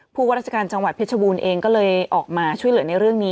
ผู้ว่าราชการจังหวัดเพชรบูรณ์เองก็เลยออกมาช่วยเหลือในเรื่องนี้